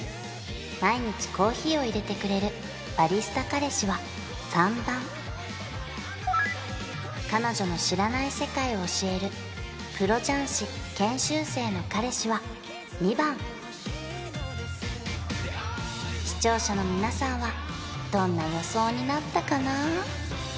毎日コーヒーを入れてくれるバリスタ彼氏は３番彼女の知らない世界を教えるプロ雀士研修生の彼氏は２番視聴者の皆さんはどんな予想になったかな？